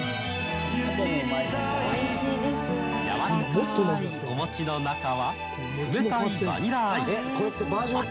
やわらかいお餅の中は冷たいバニラアイス。